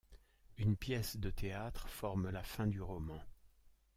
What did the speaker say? Une pièce de théâtre forme la fin du roman.